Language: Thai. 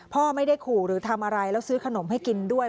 พ่อไม่ได้ขู่หรือทำอะไรแล้วซื้อขนมให้กินด้วย